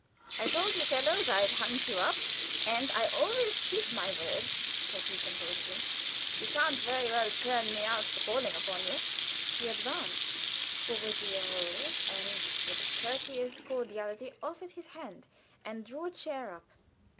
"I told you fellows I'd hunt you up, and I always keep my word," said he, composedly. "You can't very well turn me out for calling upon you." He advanced. Courvoisier rose, and with a courteous cordiality offered his hand and drew a chair up.